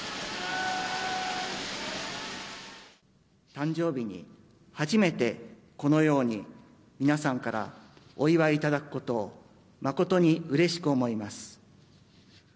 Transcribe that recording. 誕生日に初めてこのように皆さんからお祝いいただくことを、誠にうれしく思います。